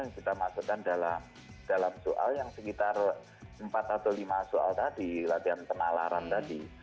yang kita masukkan dalam soal yang sekitar empat atau lima soal tadi latihan penalaran tadi